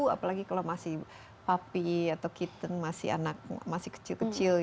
apalagi kalau masih papi atau kitten masih kecil kecil